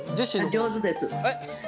上手です。